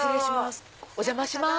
お邪魔します。